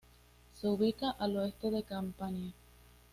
Se ubica al oeste de Campania.